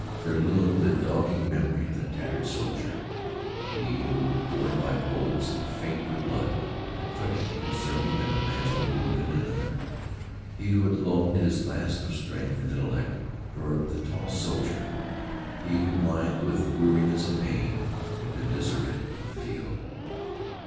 There loomed the dogging memory of the tattered soldier he who, gored by bullets and faint for blood, had fretted concerning an imagined wound in another; he who had loaned his last of strength and intellect for the tall soldier; he who, blind with weariness and pain, had been deserted in the field.